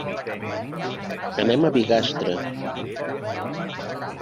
Anem a Bigastre.